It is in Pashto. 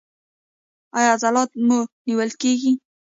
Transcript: ایا عضلات مو نیول کیږي؟